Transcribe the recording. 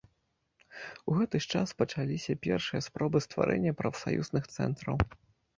У гэты ж час пачаліся першыя спробы стварэння прафсаюзных цэнтраў.